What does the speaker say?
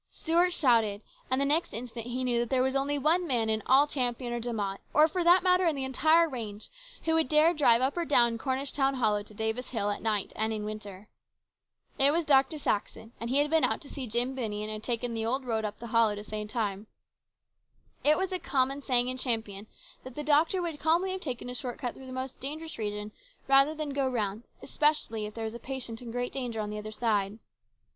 Stuart shouted ; and the next instant he knew that there was only one man in all Champion or De Mott, or for that matter in the entire range, who would dare drive up or down Cornish town hollow to Davis hill at night and in winter. It was Dr. Saxon, and he had been out to see Jim Binney and taken the old road up the hollow to save time. It was a common saying in Champion that the doctor would calmly have taken a short cut through the most dangerous region rather than go round, especially if there was a patient in great danger on the other side.